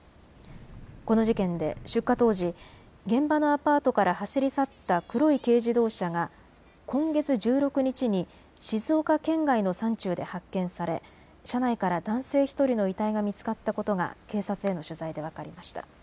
この事件で出火当時、現場のアパートから走り去った黒い軽自動車が今月１６日に静岡県外の山中で発見され車内から男性１人の遺体が見つかったことが警察への取材で分かりました。